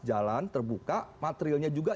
jalan terbuka materialnya juga